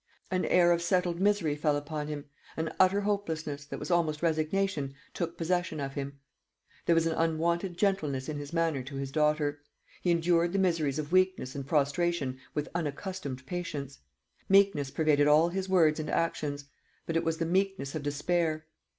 An air of settled misery fell upon him, an utter hopelessness, that was almost resignation, took possession of him. There was an unwonted gentleness in his manner to his daughter; he endured the miseries of weakness and prostration with unaccustomed patience; meekness pervaded all his words and actions, but it was the meekness of despair.